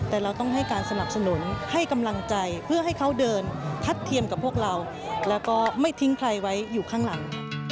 แต่เราต้องให้การสนับสนุนให้กำลังใจเพื่อให้เขาเดินทัดเทียมกับพวกเราแล้วก็ไม่ทิ้งใครไว้อยู่ข้างหลัง